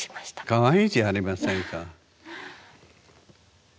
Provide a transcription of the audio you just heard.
かわいいじゃありませんか。